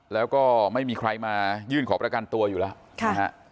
แล้วก็ไม่มีใครมายืนขอบราการตัวอยู่แล้ว